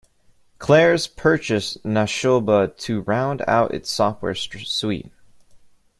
Claris purchased Nashoba to round out its software suite.